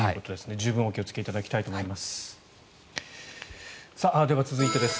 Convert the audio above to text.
十分お気をつけいただきたいと思います。